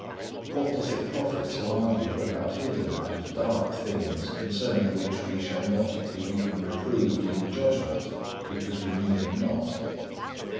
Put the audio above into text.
What doth it profit to argue about hidden and dark things, concerning which we shall not be even reproved in the judgment, because we knew them not?